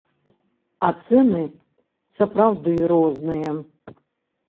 А цэны сапраўды розныя.